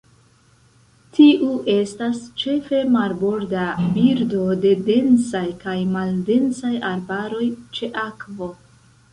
Tiu estas ĉefe marborda birdo de densaj kaj maldensaj arbaroj ĉe akvo.